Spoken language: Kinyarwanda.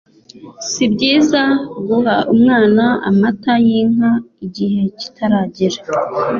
sibyiza guha umwana amata y'inka igihe kitaragera